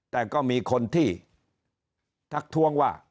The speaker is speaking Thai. แต่ก็มีคนที่ทักท้วงว่า